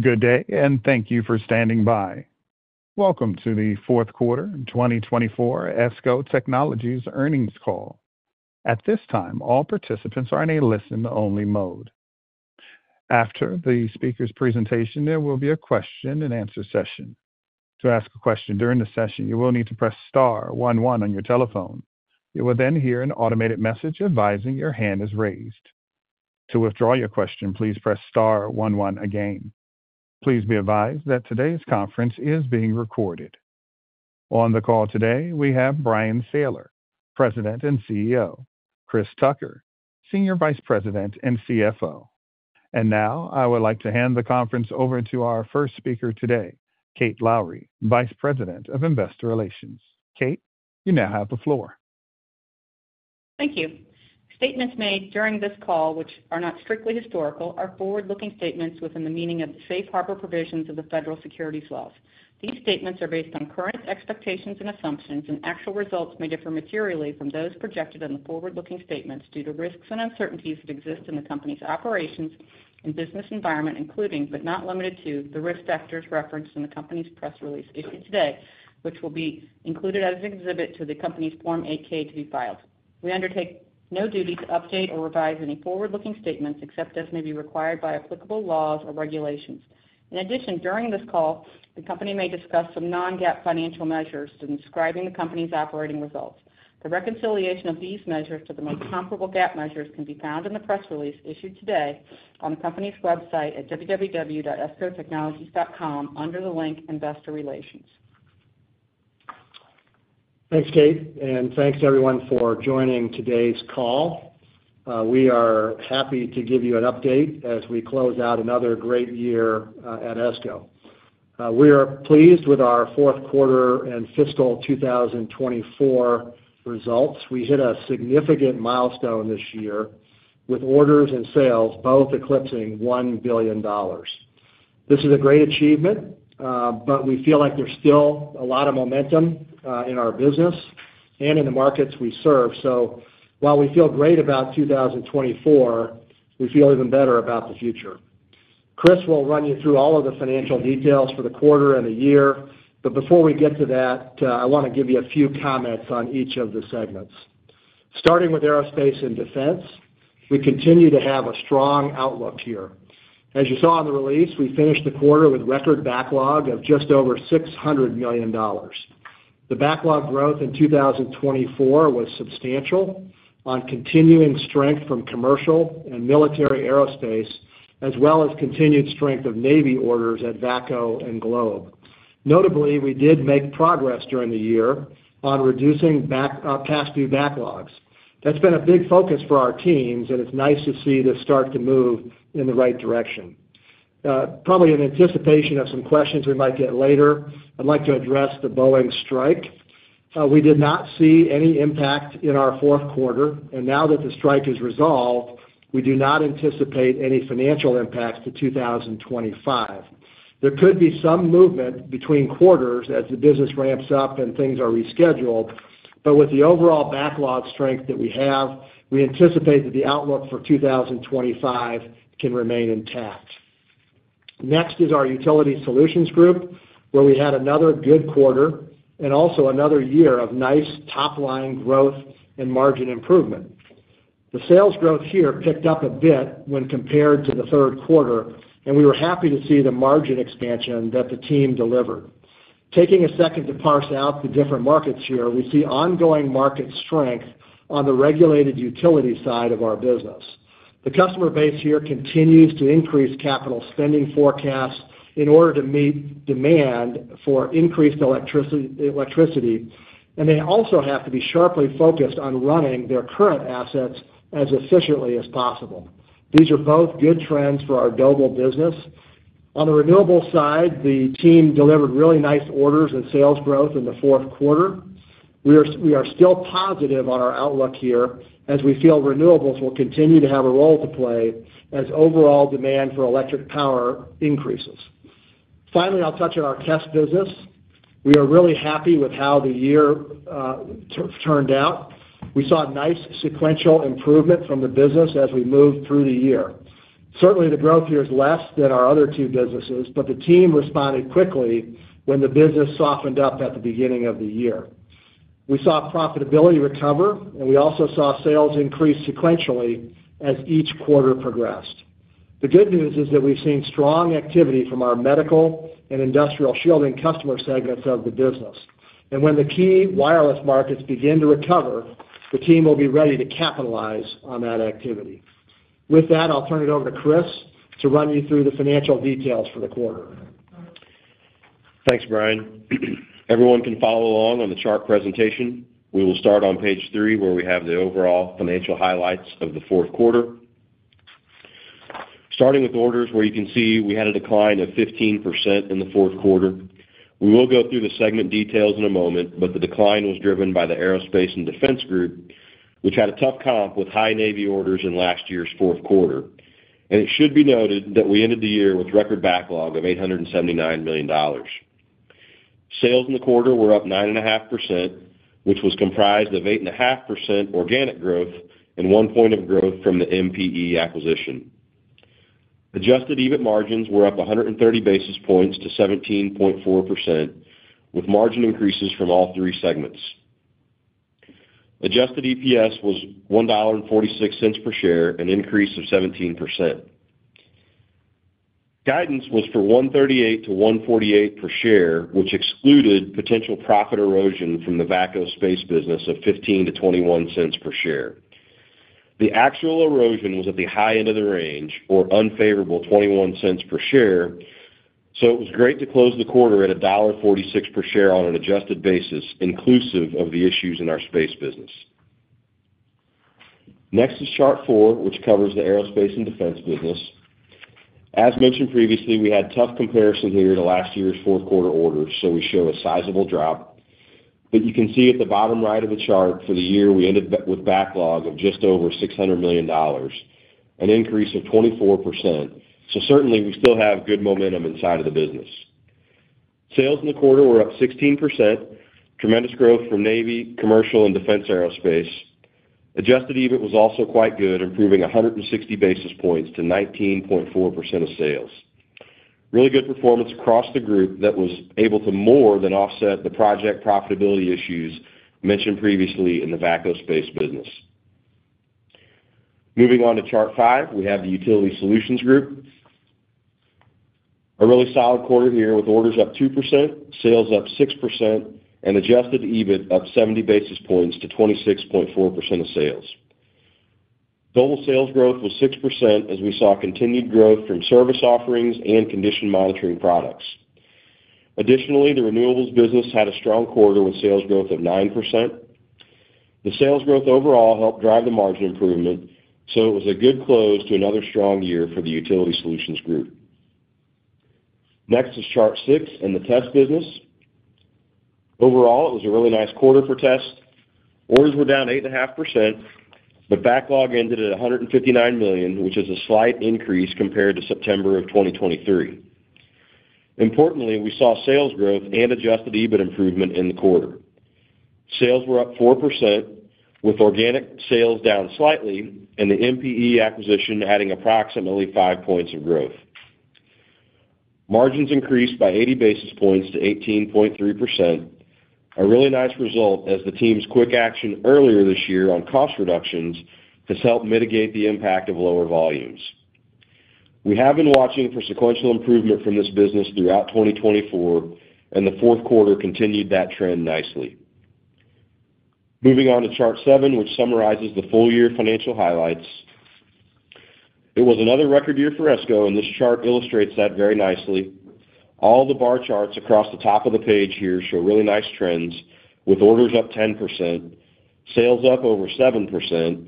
Good day, and thank you for standing by. Welcome to the fourth quarter 2024 ESCO Technologies earnings call. At this time, all participants are in a listen-only mode. After the speaker's presentation, there will be a question-and-answer session. To ask a question during the session, you will need to press star 11 on your telephone. You will then hear an automated message advising your hand is raised. To withdraw your question, please press star 11 again. Please be advised that today's conference is being recorded. On the call today, we have Bryan Sayler, President and CEO, Chris Tucker, Senior Vice President and CFO, and now I would like to hand the conference over to our first speaker today, Kate Lowrey, Vice President of Investor Relations. Kate, you now have the floor. Thank you. Statements made during this call, which are not strictly historical, are forward-looking statements within the meaning of the Safe Harbor provisions of the federal securities laws. These statements are based on current expectations and assumptions, and actual results may differ materially from those projected in the forward-looking statements due to risks and uncertainties that exist in the company's operations and business environment, including, but not limited to, the risk factors referenced in the company's press release issued today, which will be included as an exhibit to the company's Form 8-K to be filed. We undertake no duty to update or revise any forward-looking statements except as may be required by applicable laws or regulations. In addition, during this call, the company may discuss some Non-GAAP financial measures to describe the company's operating results. The reconciliation of these measures to the most comparable GAAP measures can be found in the press release issued today on the company's website at www.escotechnologies.com under the link Investor Relations. Thanks, Kate, and thanks, everyone, for joining today's call. We are happy to give you an update as we close out another great year at ESCO. We are pleased with our fourth quarter and fiscal 2024 results. We hit a significant milestone this year with orders and sales both eclipsing $1 billion. This is a great achievement, but we feel like there's still a lot of momentum in our business and in the markets we serve. So while we feel great about 2024, we feel even better about the future. Chris will run you through all of the financial details for the quarter and the year, but before we get to that, I want to give you a few comments on each of the segments. Starting with aerospace and defense, we continue to have a strong outlook here. As you saw in the release, we finished the quarter with record backlog of just over $600 million. The backlog growth in 2024 was substantial on continuing strength from commercial and military aerospace, as well as continued strength of Navy orders at VACCO and Globe. Notably, we did make progress during the year on reducing past due backlogs. That's been a big focus for our teams, and it's nice to see this start to move in the right direction. Probably in anticipation of some questions we might get later, I'd like to address the Boeing strike. We did not see any impact in our fourth quarter, and now that the strike is resolved, we do not anticipate any financial impacts to 2025. There could be some movement between quarters as the business ramps up and things are rescheduled, but with the overall backlog strength that we have, we anticipate that the outlook for 2025 can remain intact. Next is our utility solutions group, where we had another good quarter and also another year of nice top-line growth and margin improvement. The sales growth here picked up a bit when compared to the third quarter, and we were happy to see the margin expansion that the team delivered. Taking a second to parse out the different markets here, we see ongoing market strength on the regulated utility side of our business. The customer base here continues to increase capital spending forecasts in order to meet demand for increased electricity, and they also have to be sharply focused on running their current assets as efficiently as possible. These are both good trends for our global business. On the renewables side, the team delivered really nice orders and sales growth in the fourth quarter. We are still positive on our outlook here as we feel renewables will continue to have a role to play as overall demand for electric power increases. Finally, I'll touch on our test business. We are really happy with how the year turned out. We saw nice sequential improvement from the business as we moved through the year. Certainly, the growth here is less than our other two businesses, but the team responded quickly when the business softened up at the beginning of the year. We saw profitability recover, and we also saw sales increase sequentially as each quarter progressed. The good news is that we've seen strong activity from our medical and industrial shielding customer segments of the business. When the key wireless markets begin to recover, the team will be ready to capitalize on that activity. With that, I'll turn it over to Chris to run you through the financial details for the quarter. Thanks, Bryan. Everyone can follow along on the chart presentation. We will start on page three, where we have the overall financial highlights of the fourth quarter. Starting with orders, where you can see we had a decline of 15% in the fourth quarter. We will go through the segment details in a moment, but the decline was driven by the aerospace and defense group, which had a tough comp with high Navy orders in last year's fourth quarter. It should be noted that we ended the year with record backlog of $879 million. Sales in the quarter were up 9.5%, which was comprised of 8.5% organic growth and one point of growth from the MPE acquisition. Adjusted EBIT margins were up 130 basis points to 17.4%, with margin increases from all three segments. Adjusted EPS was $1.46 per share, an increase of 17%. Guidance was for $1.38-$1.48 per share, which excluded potential profit erosion from the VACCO space business of $0.15-$0.21 per share. The actual erosion was at the high end of the range or unfavorable $0.21 per share, so it was great to close the quarter at $1.46 per share on an adjusted basis, inclusive of the issues in our space business. Next is chart four, which covers the aerospace and defense business. As mentioned previously, we had tough comparison here to last year's fourth quarter orders, so we show a sizable drop. But you can see at the bottom right of the chart for the year, we ended with backlog of just over $600 million, an increase of 24%. So certainly, we still have good momentum inside of the business. Sales in the quarter were up 16%, tremendous growth from Navy, commercial, and defense aerospace. Adjusted EBIT was also quite good, improving 160 basis points to 19.4% of sales. Really good performance across the group that was able to more than offset the project profitability issues mentioned previously in the VACCO space business. Moving on to chart five, we have the utility solutions group. A really solid quarter here with orders up 2%, sales up 6%, and adjusted EBIT up 70 basis points to 26.4% of sales. Total sales growth was 6% as we saw continued growth from service offerings and condition monitoring products. Additionally, the renewables business had a strong quarter with sales growth of 9%. The sales growth overall helped drive the margin improvement, so it was a good close to another strong year for the utility solutions group. Next is chart six and the test business. Overall, it was a really nice quarter for test. Orders were down 8.5%, but backlog ended at $159 million, which is a slight increase compared to September of 2023. Importantly, we saw sales growth and adjusted EBIT improvement in the quarter. Sales were up 4%, with organic sales down slightly and the MPE acquisition adding approximately 5 points of growth. Margins increased by 80 basis points to 18.3%, a really nice result as the team's quick action earlier this year on cost reductions has helped mitigate the impact of lower volumes. We have been watching for sequential improvement from this business throughout 2024, and the fourth quarter continued that trend nicely. Moving on to chart seven, which summarizes the full year financial highlights. It was another record year for ESCO, and this chart illustrates that very nicely. All the bar charts across the top of the page here show really nice trends, with orders up 10%, sales up over 7%,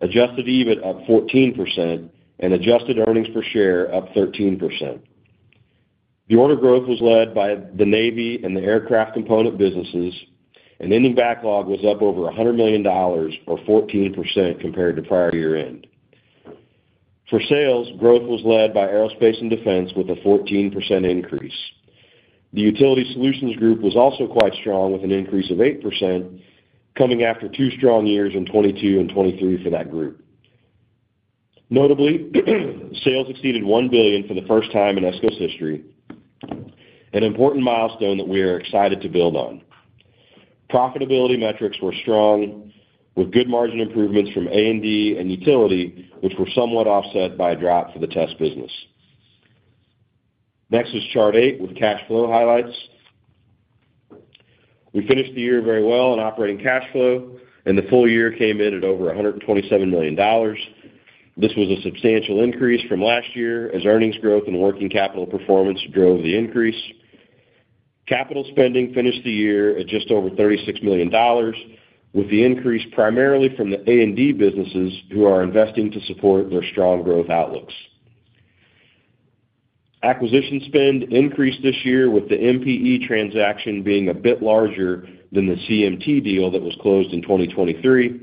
adjusted EBIT up 14%, and adjusted earnings per share up 13%. The order growth was led by the Navy and the aircraft component businesses, and ending backlog was up over $100 million or 14% compared to prior year-end. For sales, growth was led by aerospace and defense with a 14% increase. The utility solutions group was also quite strong with an increase of 8%, coming after two strong years in 2022 and 2023 for that group. Notably, sales exceeded $1 billion for the first time in ESCO's history, an important milestone that we are excited to build on. Profitability metrics were strong, with good margin improvements from A&D and utility, which were somewhat offset by a drop for the test business. Next is chart eight with cash flow highlights. We finished the year very well on operating cash flow, and the full year came in at over $127 million. This was a substantial increase from last year as earnings growth and working capital performance drove the increase. Capital spending finished the year at just over $36 million, with the increase primarily from the A&D businesses who are investing to support their strong growth outlooks. Acquisition spend increased this year, with the MPE transaction being a bit larger than the CMT deal that was closed in 2023,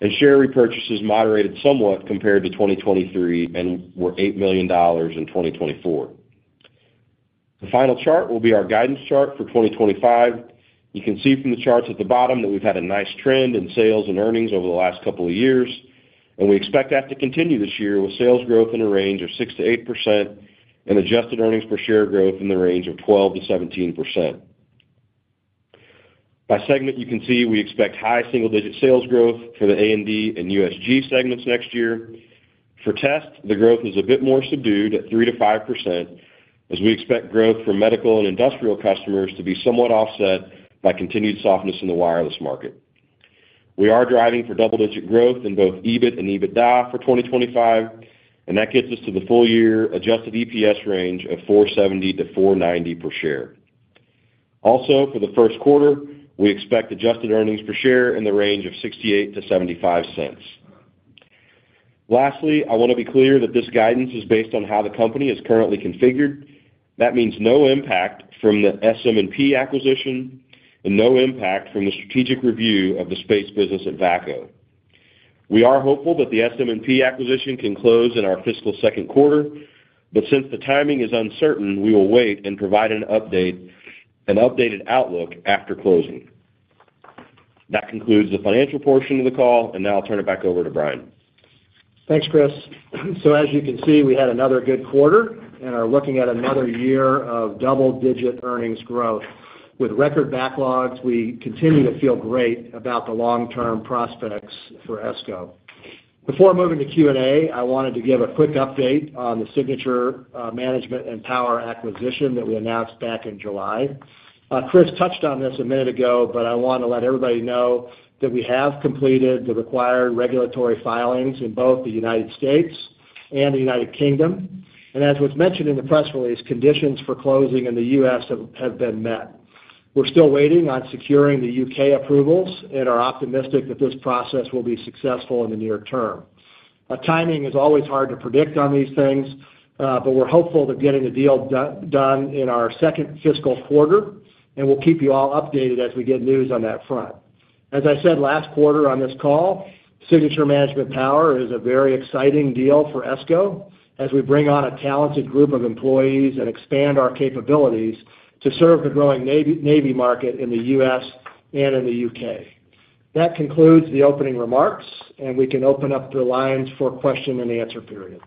and share repurchases moderated somewhat compared to 2023 and were $8 million in 2024. The final chart will be our guidance chart for 2025. You can see from the charts at the bottom that we've had a nice trend in sales and earnings over the last couple of years, and we expect that to continue this year with sales growth in a range of 6%-8% and adjusted earnings per share growth in the range of 12%-17%. By segment, you can see we expect high single-digit sales growth for the A&D and USG segments next year. For test, the growth is a bit more subdued at 3%-5%, as we expect growth for medical and industrial customers to be somewhat offset by continued softness in the wireless market. We are driving for double-digit growth in both EBIT and EBITDA for 2025, and that gets us to the full year adjusted EPS range of 470-490 per share. Also, for the first quarter, we expect adjusted earnings per share in the range of $0.68-$0.75. Lastly, I want to be clear that this guidance is based on how the company is currently configured. That means no impact from the SM&P acquisition and no impact from the strategic review of the space business at VACCO. We are hopeful that the SM&P acquisition can close in our fiscal second quarter, but since the timing is uncertain, we will wait and provide an updated outlook after closing. That concludes the financial portion of the call, and now I'll turn it back over to Bryan. Thanks, Chris. So as you can see, we had another good quarter and are looking at another year of double-digit earnings growth. With record backlogs, we continue to feel great about the long-term prospects for ESCO. Before moving to Q&A, I wanted to give a quick update on the Signature Management & Power acquisition that we announced back in July. Chris touched on this a minute ago, but I want to let everybody know that we have completed the required regulatory filings in both the United States and the United Kingdom. And as was mentioned in the press release, conditions for closing in the U.S. have been met. We're still waiting on securing the U.K. approvals and are optimistic that this process will be successful in the near term. Timing is always hard to predict on these things, but we're hopeful that getting the deal done in our second fiscal quarter, and we'll keep you all updated as we get news on that front. As I said last quarter on this call, Signature Management & Power is a very exciting deal for ESCO as we bring on a talented group of employees and expand our capabilities to serve the growing Navy market in the U.S. and in the U.K. That concludes the opening remarks, and we can open up the lines for question and answer period.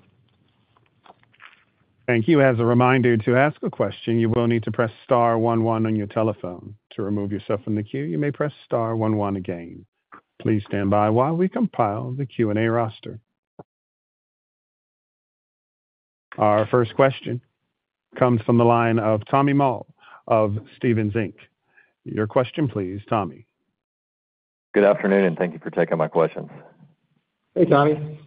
Thank you. As a reminder to ask a question, you will need to press star 11 on your telephone. To remove yourself from the queue, you may press star 11 again. Please stand by while we compile the Q&A roster. Our first question comes from the line of Tommy Moll of Stephens Inc. Your question, please, Tommy. Good afternoon, and thank you for taking my questions. Hey, Tommy.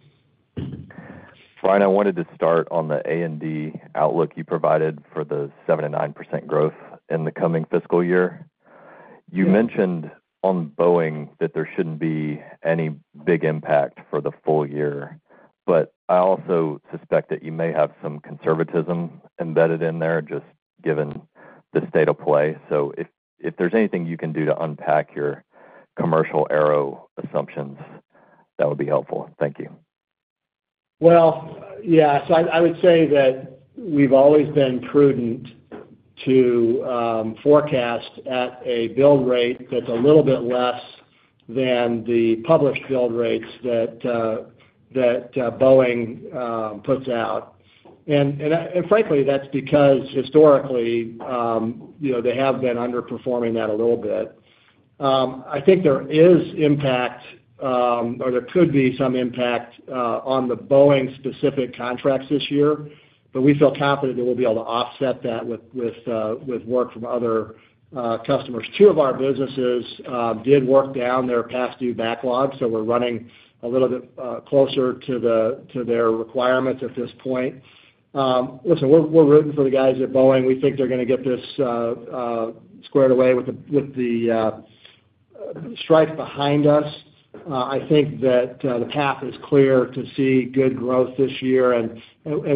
Bryan, I wanted to start on the A&D outlook you provided for the 7%-9% growth in the coming fiscal year. You mentioned on Boeing that there shouldn't be any big impact for the full year, but I also suspect that you may have some conservatism embedded in there just given the state of play. So if there's anything you can do to unpack your commercial aero assumptions, that would be helpful. Thank you. Well, yeah, so I would say that we've always been prudent to forecast at a build rate that's a little bit less than the published build rates that Boeing puts out. And frankly, that's because historically they have been underperforming that a little bit. I think there is impact, or there could be some impact on the Boeing-specific contracts this year, but we feel confident that we'll be able to offset that with work from other customers. Two of our businesses did work down their past due backlog, so we're running a little bit closer to their requirements at this point. Listen, we're rooting for the guys at Boeing. We think they're going to get this squared away with the strife behind us. I think that the path is clear to see good growth this year, and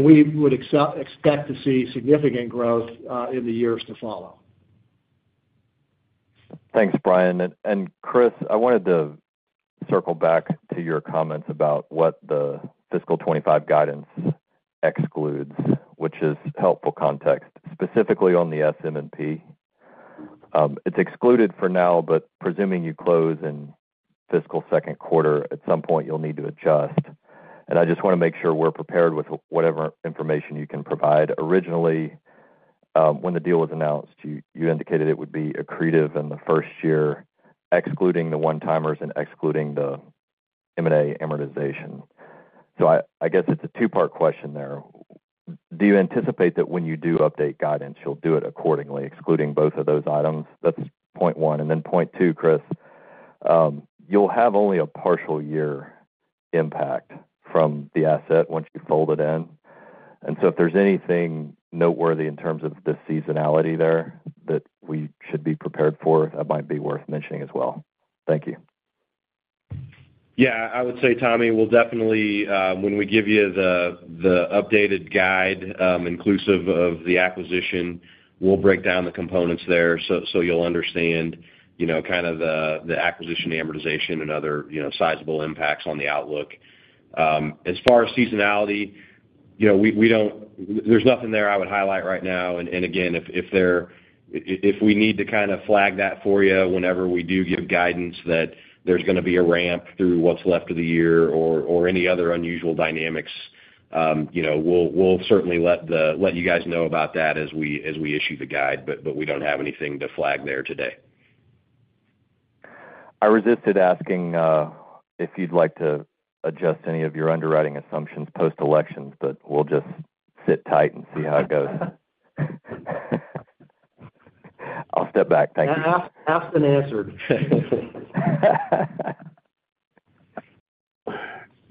we would expect to see significant growth in the years to follow. Thanks, Bryan. And Chris, I wanted to circle back to your comments about what the fiscal 2025 guidance excludes, which is helpful context, specifically on the SM&P. It's excluded for now, but presuming you close in fiscal second quarter, at some point you'll need to adjust. And I just want to make sure we're prepared with whatever information you can provide. Originally, when the deal was announced, you indicated it would be accretive in the first year, excluding the one-timers and excluding the M&A amortization. So I guess it's a two-part question there. Do you anticipate that when you do update guidance, you'll do it accordingly, excluding both of those items? That's point one. And then point two, Chris, you'll have only a partial year impact from the asset once you fold it in. And so if there's anything noteworthy in terms of the seasonality there that we should be prepared for, that might be worth mentioning as well. Thank you. Yeah, I would say, Tommy, we'll definitely, when we give you the updated guide inclusive of the acquisition, we'll break down the components there so you'll understand kind of the acquisition amortization and other sizable impacts on the outlook. As far as seasonality, there's nothing there I would highlight right now. And again, if we need to kind of flag that for you whenever we do give guidance that there's going to be a ramp through what's left of the year or any other unusual dynamics, we'll certainly let you guys know about that as we issue the guide, but we don't have anything to flag there today. I resisted asking if you'd like to adjust any of your underwriting assumptions post-elections, but we'll just sit tight and see how it goes. I'll step back. Thank you. Asked and answered.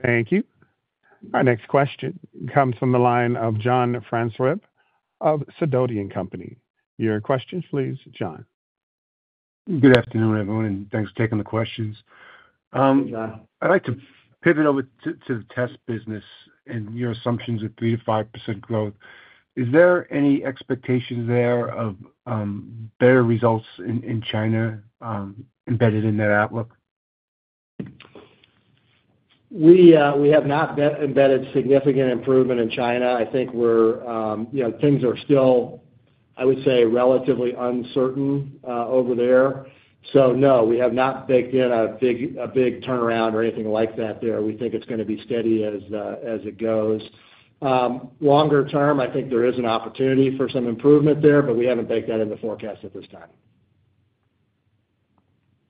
Thank you. Our next question comes from the line of John Franzreb of Sidoti & Company. Your questions, please, John. Good afternoon, everyone, and thanks for taking the questions. I'd like to pivot over to the test business and your assumptions of 3%-5% growth. Is there any expectation there of better results in China embedded in that outlook? We have not embedded significant improvement in China. I think things are still, I would say, relatively uncertain over there. So no, we have not baked in a big turnaround or anything like that there. We think it's going to be steady as it goes. Longer term, I think there is an opportunity for some improvement there, but we haven't baked that in the forecast at this time.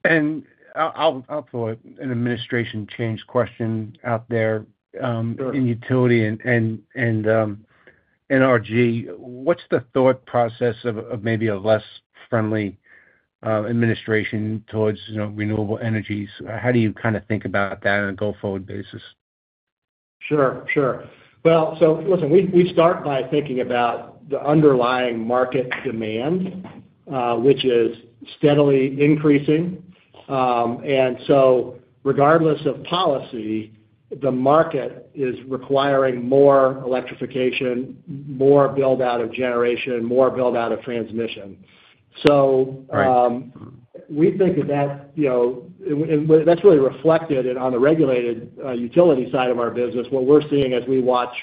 And I'll throw an administration change question out there in utility and energy. What's the thought process of maybe a less friendly administration towards renewable energies? How do you kind of think about that on a go-forward basis? Sure. Sure. Well, so listen, we start by thinking about the underlying market demand, which is steadily increasing. And so regardless of policy, the market is requiring more electrification, more build-out of generation, more build-out of transmission. So we think that that's really reflected on the regulated utility side of our business. What we're seeing as we watch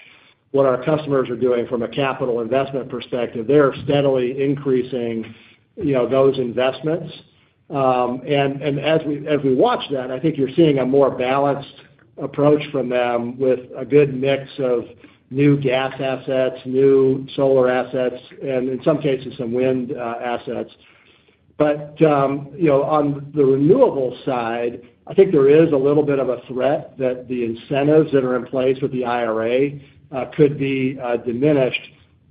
what our customers are doing from a capital investment perspective, they're steadily increasing those investments. And as we watch that, I think you're seeing a more balanced approach from them with a good mix of new gas assets, new solar assets, and in some cases, some wind assets. But on the renewable side, I think there is a little bit of a threat that the incentives that are in place with the IRA could be diminished,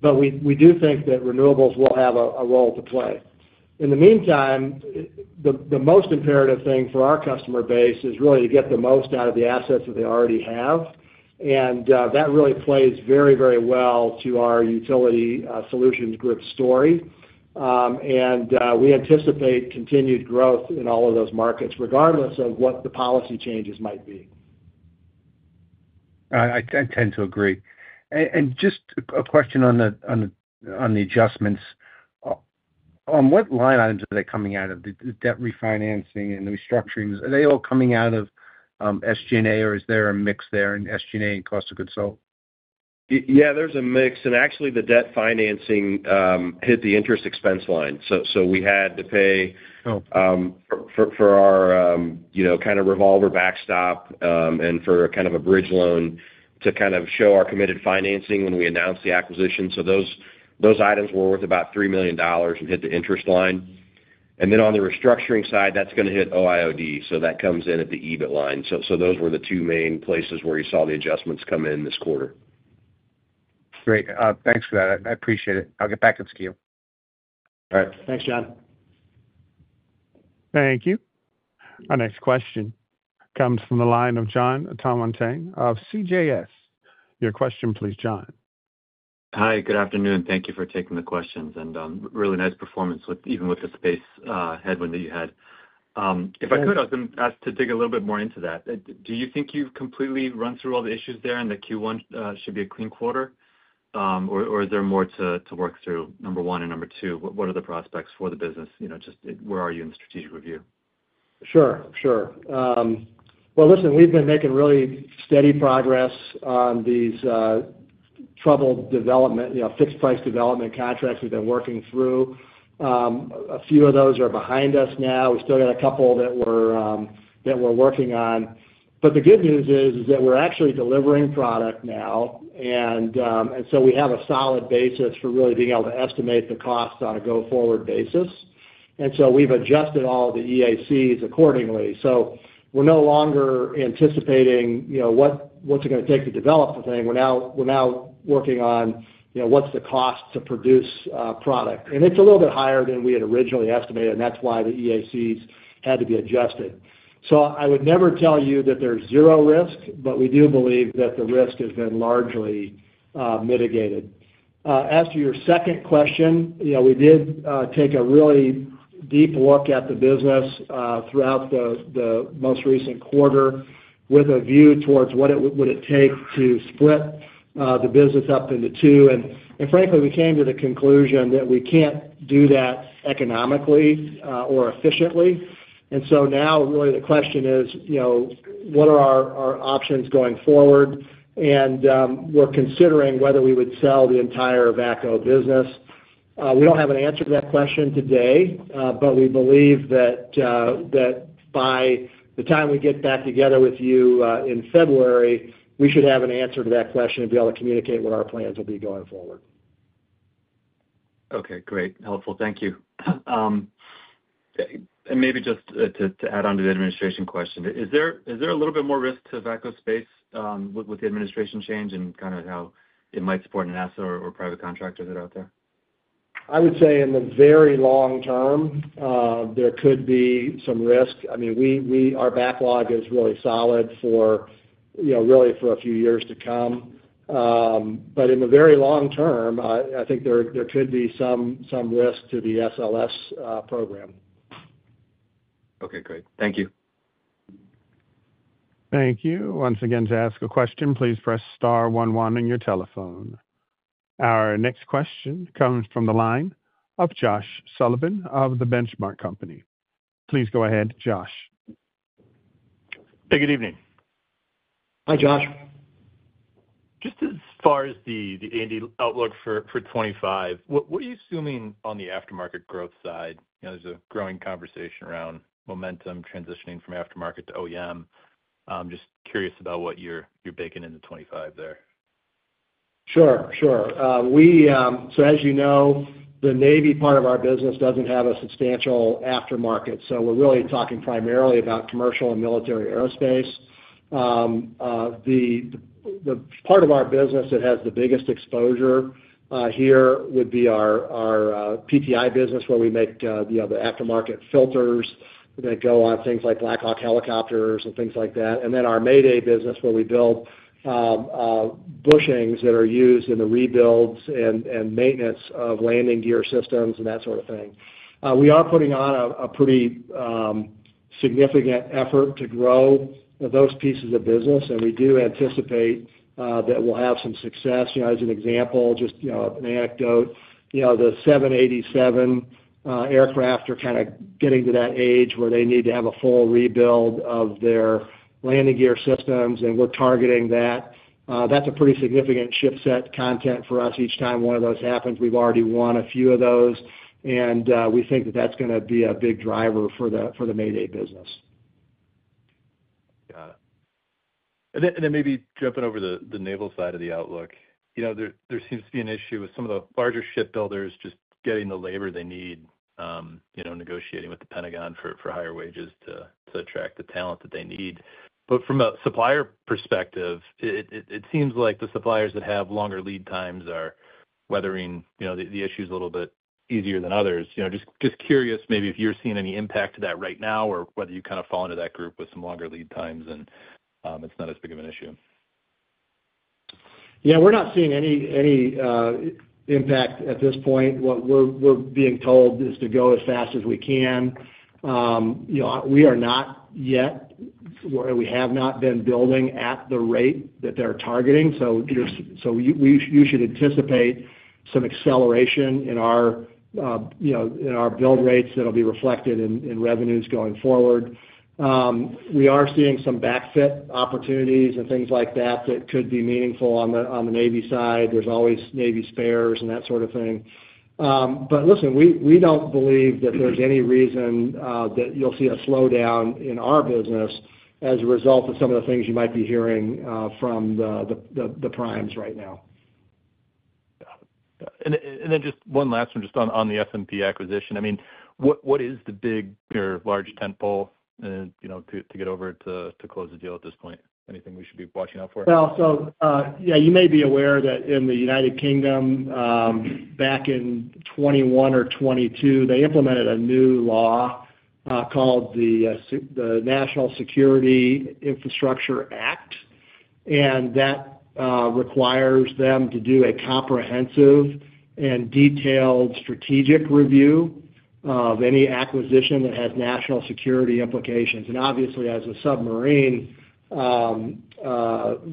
but we do think that renewables will have a role to play. In the meantime, the most imperative thing for our customer base is really to get the most out of the assets that they already have, and that really plays very, very well to our utility solutions group story, and we anticipate continued growth in all of those markets, regardless of what the policy changes might be. I tend to agree, and just a question on the adjustments. On what line items are they coming out of? The debt refinancing and the restructuring, are they all coming out of SG&A, or is there a mix there in SG&A and cost of goods sold? Yeah, there's a mix. And actually, the debt financing hit the interest expense line. So we had to pay for our kind of revolver backstop and for kind of a bridge loan to kind of show our committed financing when we announced the acquisition. So those items were worth about $3 million and hit the interest line. And then on the restructuring side, that's going to hit OI&E. So that comes in at the EBIT line. So those were the two main places where you saw the adjustments come in this quarter. Great. Thanks for that. I appreciate it. I'll get back to you. All right. Thanks, John. Thank you. Our next question comes from the line of Jon Tanwanteng of CJS. Your question, please, Jon. Hi, good afternoon. Thank you for taking the questions and really nice performance even with the space headwind that you had. If I could, I was going to ask to dig a little bit more into that. Do you think you've completely run through all the issues there and that Q1 should be a clean quarter, or is there more to work through, number one and number two? What are the prospects for the business? Just where are you in the strategic review? Sure. Sure. Well, listen, we've been making really steady progress on these troubled fixed-price development contracts we've been working through. A few of those are behind us now. We still got a couple that we're working on. But the good news is that we're actually delivering product now, and so we have a solid basis for really being able to estimate the cost on a go-forward basis. And so we've adjusted all of the EACs accordingly. So we're no longer anticipating what's it going to take to develop the thing. We're now working on what's the cost to produce product. And it's a little bit higher than we had originally estimated, and that's why the EACs had to be adjusted. So I would never tell you that there's zero risk, but we do believe that the risk has been largely mitigated. As to your second question, we did take a really deep look at the business throughout the most recent quarter with a view towards what it would take to split the business up into two. And frankly, we came to the conclusion that we can't do that economically or efficiently. And so now really the question is, what are our options going forward? And we're considering whether we would sell the entire VACCO business. We don't have an answer to that question today, but we believe that by the time we get back together with you in February, we should have an answer to that question and be able to communicate what our plans will be going forward. Okay. Great. Helpful. Thank you. And maybe just to add on to the administration question, is there a little bit more risk to VACCO space with the administration change and kind of how it might support NASA or private contractors that are out there? I would say in the very long term, there could be some risk. I mean, our backlog is really solid for a few years to come. But in the very long term, I think there could be some risk to the SLS program. Okay. Great. Thank you. Thank you. Once again, to ask a question, please press star 11 on your telephone. Our next question comes from the line of Josh Sullivan of The Benchmark Company. Please go ahead, Josh. Hey, good evening. Hi, Josh. Just as far as the A&D outlook for 2025, what are you assuming on the aftermarket growth side? There's a growing conversation around momentum transitioning from aftermarket to OEM. Just curious about what you're baking into 2025 there. Sure. Sure. So as you know, the Navy part of our business doesn't have a substantial aftermarket. So we're really talking primarily about commercial and military aerospace. The part of our business that has the biggest exposure here would be our PTI business, where we make the aftermarket filters that go on things like Black Hawk helicopters and things like that. And then our Mayday business, where we build bushings that are used in the rebuilds and maintenance of landing gear systems and that sort of thing. We are putting on a pretty significant effort to grow those pieces of business, and we do anticipate that we'll have some success. As an example, just an anecdote, the 787 aircraft are kind of getting to that age where they need to have a full rebuild of their landing gear systems, and we're targeting that. That's a pretty significant shipset content for us. Each time one of those happens, we've already won a few of those, and we think that that's going to be a big driver for the Mayday business. Got it. And then maybe jumping over to the naval side of the outlook, there seems to be an issue with some of the larger shipbuilders just getting the labor they need, negotiating with the Pentagon for higher wages to attract the talent that they need. But from a supplier perspective, it seems like the suppliers that have longer lead times are weathering the issues a little bit easier than others. Just curious maybe if you're seeing any impact to that right now or whether you kind of fall into that group with some longer lead times and it's not as big of an issue. Yeah, we're not seeing any impact at this point. What we're being told is to go as fast as we can. We are not yet or we have not been building at the rate that they're targeting. So you should anticipate some acceleration in our build rates that will be reflected in revenues going forward. We are seeing some backfit opportunities and things like that that could be meaningful on the Navy side. There's always Navy spares and that sort of thing. But listen, we don't believe that there's any reason that you'll see a slowdown in our business as a result of some of the things you might be hearing from the primes right now. Got it. And then just one last one just on the SMP acquisition. I mean, what is the big or large tentpole to get over to close the deal at this point? Anything we should be watching out for? You may be aware that in the United Kingdom, back in 2021 or 2022, they implemented a new law called the National Security and Investment Act, and that requires them to do a comprehensive and detailed strategic review of any acquisition that has national security implications. Obviously, as a submarine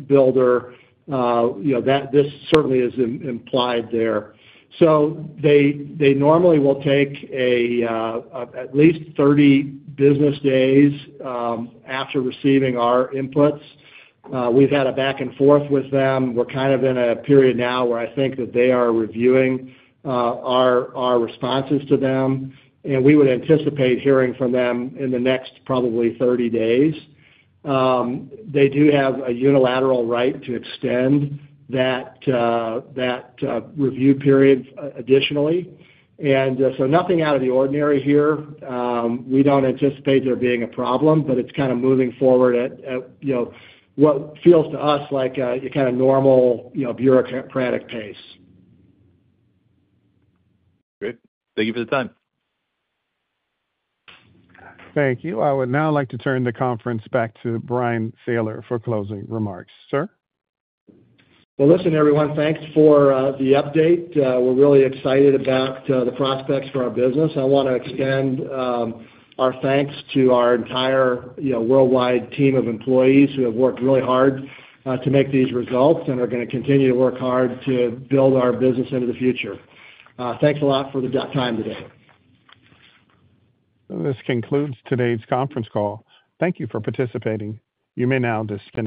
builder, this certainly is implied there. They normally will take at least 30 business days after receiving our inputs. We've had a back and forth with them. We're kind of in a period now where I think that they are reviewing our responses to them, and we would anticipate hearing from them in the next probably 30 days. They do have a unilateral right to extend that review period additionally. Nothing out of the ordinary here. We don't anticipate there being a problem, but it's kind of moving forward at what feels to us like a kind of normal bureaucratic pace. Good. Thank you for the time. Thank you. I would now like to turn the conference back to Bryan Sayler for closing remarks. Sir? Listen, everyone, thanks for the update. We're really excited about the prospects for our business. I want to extend our thanks to our entire worldwide team of employees who have worked really hard to make these results and are going to continue to work hard to build our business into the future. Thanks a lot for the time today. This concludes today's conference call. Thank you for participating. You may now disconnect.